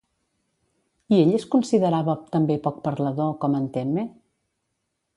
I ell es considerava també poc parlador com en Temme?